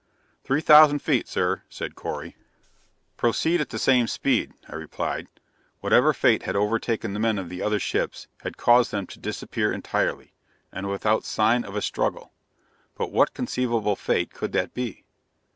"Three thousand feet, sir," said Correy. "Proceed at the same speed," I replied. Whatever fate had overtaken the men of the other ships had caused them to disappear entirely and without sign of a struggle. But what conceivable fate could that be?